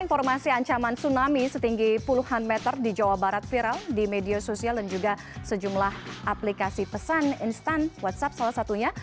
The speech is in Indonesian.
informasi ancaman tsunami setinggi puluhan meter di jawa barat viral di media sosial dan juga sejumlah aplikasi pesan instan whatsapp salah satunya